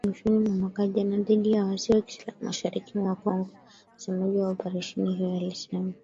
Iliyoanzishwa mwishoni mwa mwaka jana dhidi ya waasi wa kiislam mashariki mwa Congo msemaji wa operesheni hiyo alisema